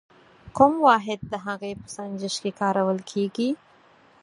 کوم واحد د هغې په سنجش کې کارول کیږي؟